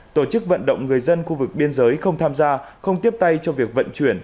tổ chức vận động người dân khu vực biên giới không tham gia không tiếp tay cho việc vận chuyển